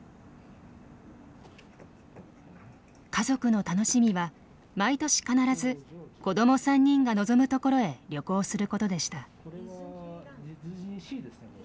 家族の楽しみは毎年必ず子ども３人が望む所へ旅行することでした。